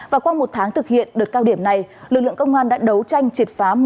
và qua một tháng thực hiện đợt cao điểm này lực lượng công an đã đấu tranh triệt phá